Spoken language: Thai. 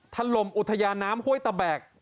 ทันลมอุทยาน้ำห้วยตะแบก